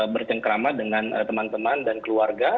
bercengkrama dengan teman teman dan keluarga